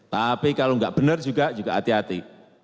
tapi kalau enggak benar juga juga hati hati